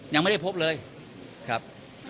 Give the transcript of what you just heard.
ยังไม่ได้พบเลยครับ